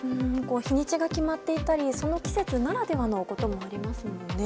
日にちが決まっていたりその季節ならではのこともありますよね。